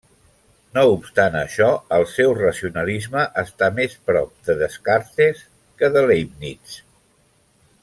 No obstant això, el seu racionalisme està més prop de Descartes que de Leibniz.